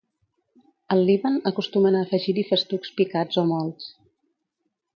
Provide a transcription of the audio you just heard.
Al Líban acostumen a afegir-hi festucs picats o molts.